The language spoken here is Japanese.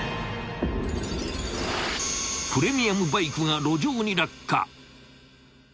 ［プレミアムバイクが路上に落下］